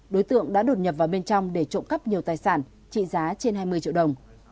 đối tượng đã đột nhập vào bên trong để trộm cắp nhiều tài sản trị giá trên hai mươi triệu đồng